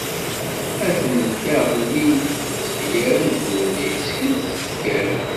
Atent-a ɣellint-d tefyar am ubruri, skelset kan!